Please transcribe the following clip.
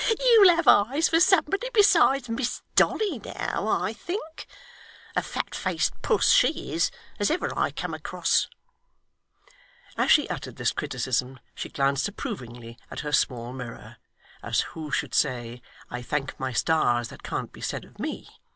He, he, he! You'll have eyes for somebody besides Miss Dolly now, I think. A fat faced puss she is, as ever I come across!' As she uttered this criticism, she glanced approvingly at her small mirror, as who should say, I thank my stars that can't be said of me!